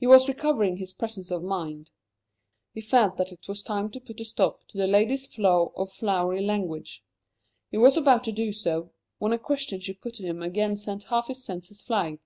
He was recovering his presence of mind. He felt that it was time to put a stop to the lady's flow of flowery language. He was about to do so when a question she put to him again sent half his senses flying.